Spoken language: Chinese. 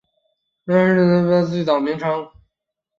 北蒙是安阳最早的名称。